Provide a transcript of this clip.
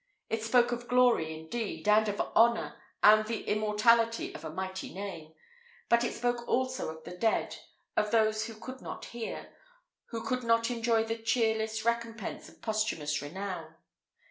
It spoke of glory, indeed, and of honour, and the immortality of a mighty name; but it spoke also of the dead of those who could not hear, who could not enjoy the cheerless recompence of posthumous renown.